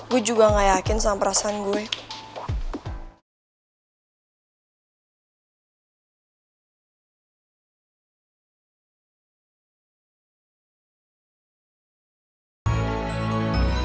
gua juga gak yakin sama perasaan gua